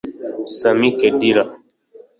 Sami Khedira